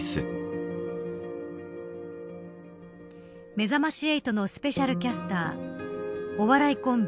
めざまし８のスペシャルキャスターお笑いコンビ